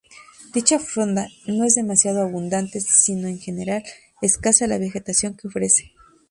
Dicha fronda no es demasiado abundante siendo en general escasa la vegetación que ofrece.